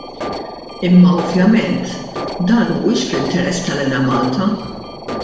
Imma ovvjament dan mhuwiex fl-interess tal-Enemalta.